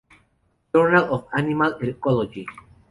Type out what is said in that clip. Journal of Animal Ecology.